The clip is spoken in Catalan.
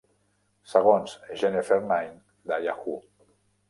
Segons Jennifer Nine de Yahoo!